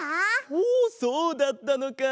おそうだったのか！